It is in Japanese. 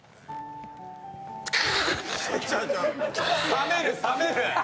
冷める冷める。